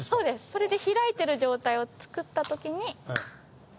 それで開いてる状態を作った時に。